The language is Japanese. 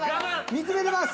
見つめてます。